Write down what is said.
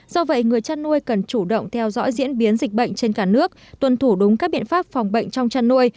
do vậy người chăn nuôi cần chủ động theo dõi diễn biến dịch bệnh trên cả nước tuân thủ đúng các biện pháp phòng bệnh trong chăn nuôi